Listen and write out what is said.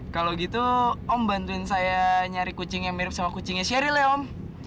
kalau gitu om bantuin saya nyari kucing yang mirip sama kucingnya sheryl ya om